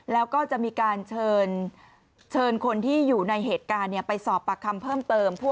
แล้วก็จะมีการเชิญคนที่อยู่ในเหตุการณ์ไปสอบปากคำเพิ่มเติม